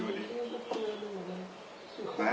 อืม